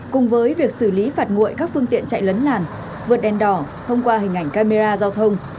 cùng với việc xử lý phạt nguội các phương tiện chạy lấn làn vượt đèn đỏ thông qua hình ảnh camera giao thông